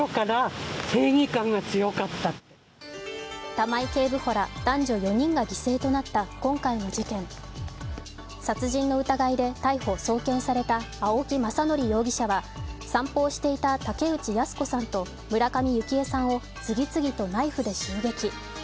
玉井警部補ら男女４人が犠牲となった今回の事件殺人の疑いで逮捕・送検された青木政憲容疑者は、散歩をしていた竹内靖子さんと村上幸枝さんを次々とナイフで襲撃。